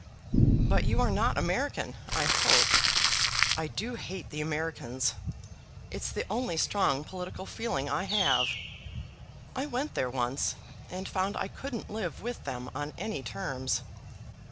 "But you are not American, I hope. I do hate the Americans. It's the only strong political feeling I have. I went there once, and found I couldn't live with them on any terms."